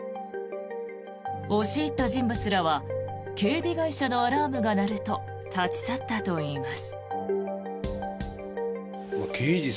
押し入った人物らは警備会社のアラームが鳴ると立ち去ったといいます。